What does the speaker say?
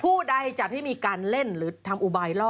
ผู้ใดจัดให้มีการเล่นหรือทำอุบายล่อ